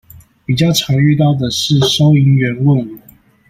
比較常遇到的是收銀員問我